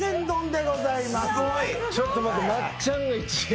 ちょっと待って松ちゃんが１位。